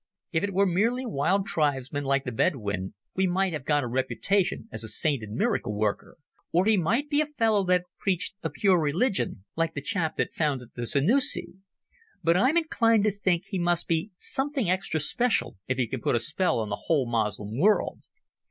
If it were merely wild tribesmen like the Bedouin he might have got a reputation as a saint and miracle worker. Or he might be a fellow that preached a pure religion, like the chap that founded the Senussi. But I'm inclined to think he must be something extra special if he can put a spell on the whole Moslem world.